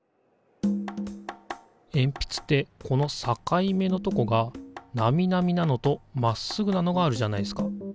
えんぴつってこの境目のとこがナミナミなのとまっすぐなのがあるじゃないですか。